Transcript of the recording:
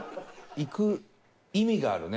行く意味があるね